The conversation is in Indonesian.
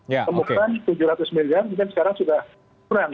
temukan tujuh ratus miliar mungkin sekarang sudah kurang